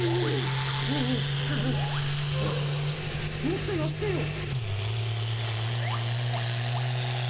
もっとやってよ！